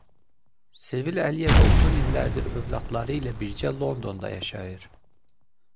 Sevil Əliyeva uzun illərdir övladları ilə birgə Londonda yaşayır.